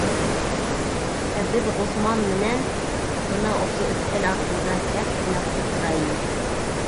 Ә беҙ Ғосман менән... бына ошо өҫтәл артында кәрт уйнап ултыра инек.